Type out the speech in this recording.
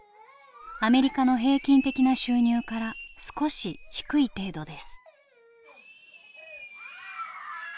アメリカの平均的な収入から少し低い程度です。